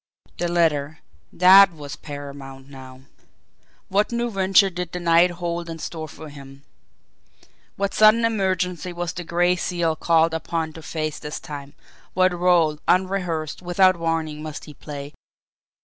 The letter that was paramount now. What new venture did the night hold in store for him? What sudden emergency was the Gray Seal called upon to face this time what role, unrehearsed, without warning, must he play?